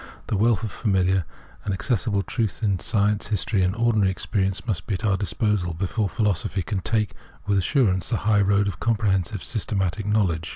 The wealth of familiar and accessible truth in science, history, and ordinary experi ence, must be at our disposal before philosophy can take with assurance the high road of comprehensive, system atic knowledge.